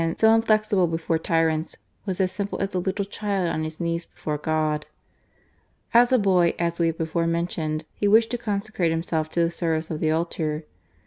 271 SO inflexible before tyrants, was as simple as a little child on his knees before God. As a boy, as we have before mentioned, he wished to conse crate himself to the service of the altar.